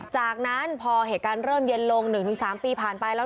จากนั้นพอเหตุการณ์เริ่มเย็นลง๑๓ปีผ่านไปแล้ว